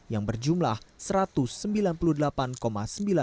yang berjumlah rp satu ratus sembilan puluh delapan miliar